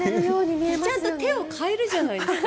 ちゃんと手を変えるじゃないですか。